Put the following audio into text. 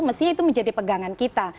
mestinya itu menjadi pegangan kita